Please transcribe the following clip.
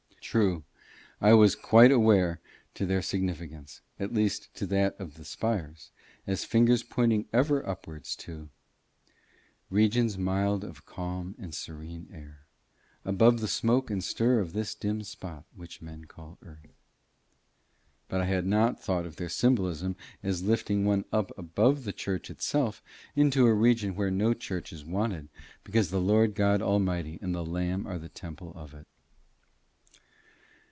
True, I was quite awake to their significance, at least to that of the spires, as fingers pointing ever upwards to "regions mild of calm and serene air, Above the smoke and stir of this dim spot, Which men call Earth;" but I had not thought of their symbolism as lifting one up above the church itself into a region where no church is wanted because the Lord God almighty and the Lamb are the temple of it.